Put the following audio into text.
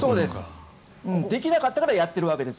できなかったからやっているわけです。